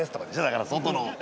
だから外の。